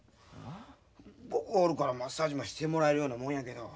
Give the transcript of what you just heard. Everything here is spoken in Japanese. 僕がおるからマッサージしてもらえるようなもんやけど。